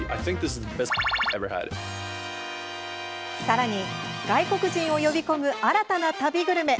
さらに、外国人を呼び込む新たな旅グルメ。